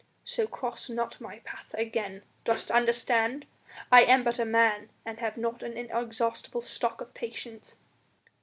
So cross not my path again, dost understand? I am but a man and have not an inexhaustible stock of patience."